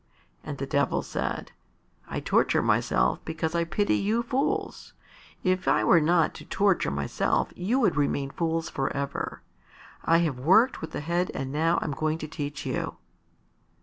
And the Devil said, "I torture myself because I pity you fools. If I were not to torture myself you would remain fools for ever. I have worked with the head and now I'm going to teach you."